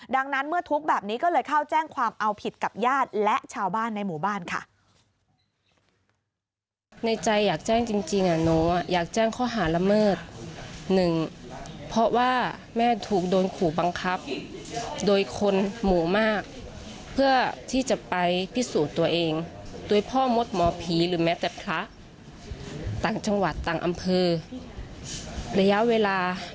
ดังนั้นเมื่อทุกข์แบบนี้ก็เลยเข้าแจ้งความเอาผิดกับญาติและชาวบ้านในหมู่บ้านค่ะ